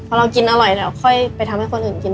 พอเรากินอร่อยแล้วค่อยไปทำให้คนอื่นกิน